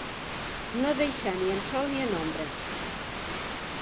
No deixar ni en sol ni en ombra.